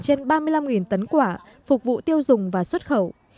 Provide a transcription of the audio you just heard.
trên ba mươi năm tấn quả phục vụ tiêu dùng và xuất khẩu